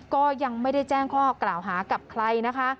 ก็ยังไม่ได้แจ้งข้อกล่าวหากับใครนะคะ